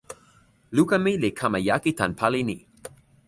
luka mi li kama jaki tan pali ni.